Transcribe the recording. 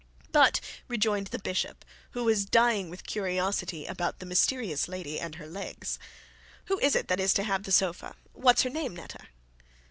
'But,' rejoined the bishop, who was dying with curiosity about the mysterious lady and her legs, 'who is it that is to have the sofa? What is her name, Netta?'